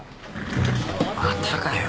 またかよ